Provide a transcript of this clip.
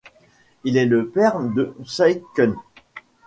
Il est le père de Shay Kun.